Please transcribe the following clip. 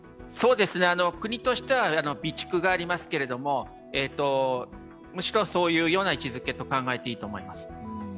国としては備蓄がありますけど、むしろそういう位置づけと考えていいと思います。